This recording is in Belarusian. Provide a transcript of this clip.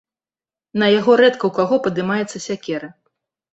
На яго рэдка ў каго падымаецца сякера.